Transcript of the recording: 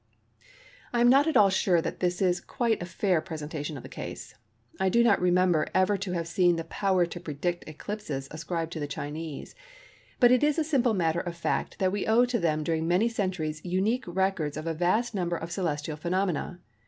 I am not at all sure that this is quite a fair presentation of the case. I do not remember ever to have seen the power to predict eclipses ascribed to the Chinese, but it is a simple matter of fact that we owe to them during many centuries unique records of a vast number of celestial phenomena.